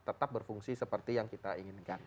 tetap berfungsi seperti yang kita inginkan